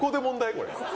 これ。